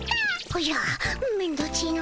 おじゃめんどっちいの。